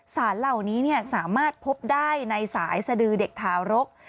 สารเหล่านี้สามารถพบได้ในสายสดือเด็กทารก